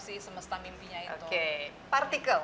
si semesta mimpinya itu